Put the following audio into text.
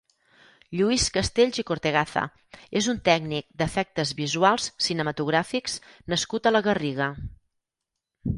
Lluís Castells i Cortegaza és un tècnic d'efectes visuals cinematogràfics nascut a la Garriga.